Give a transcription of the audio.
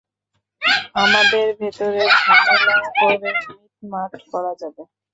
আমাদের ভেতরের ঝামেলা পরে মিটমাট করা যাবে।